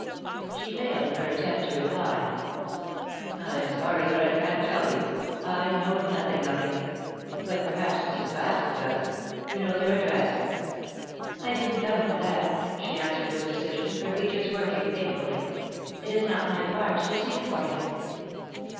She failed in her attempt to reply. "I am sorry that I can't tell you. I know nothing of him. But perhaps Mrs. Baske does. You know their address?" "I didn't come for that," she answered, with decision, her features working painfully. "It is not my part to seek for him."